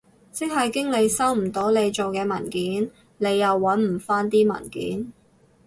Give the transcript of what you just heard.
即係經理收唔到你做嘅文件，你又搵唔返啲文件？